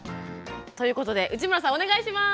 ということで内村さんお願いします。